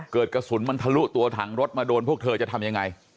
กระสุนมันทะลุตัวถังรถมาโดนพวกเธอจะทำยังไง